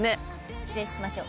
帰省しましょう。